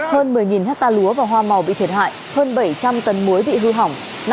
hơn một mươi hectare lúa và hoa màu bị thiệt hại hơn bảy trăm linh tấn muối bị hư hỏng